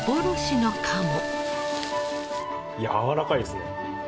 やわらかいですね。